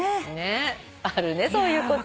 あるねそういうこと。